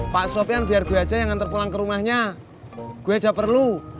pak sofian biar gue aja yang ngantar pulang ke rumahnya gue udah perlu